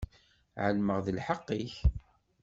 Ɛelmeɣ d lḥeqq-ik.